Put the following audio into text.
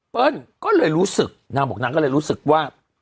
ก็เลยรู้สึกนางบอกนางก็เลยรู้สึกว่า